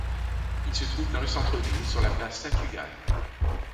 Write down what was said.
Il se trouve dans le centre-ville, sur la place Saint-Tugal.